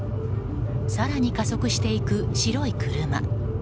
更に加速していく白い車。